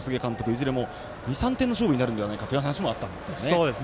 いずれも２３点の勝負になるんじゃないかという話もあったんですね。